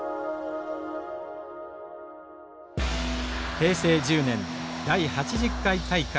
平成１０年第８０回大会準々決勝。